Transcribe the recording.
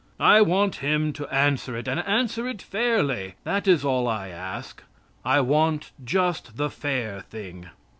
I want him to answer it, and answer it fairly. That is all I ask. I want just the fair thing.